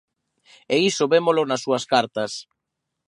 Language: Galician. E iso vémolo nas súas cartas.